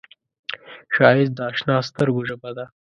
ښایست د اشنا سترګو ژبه ده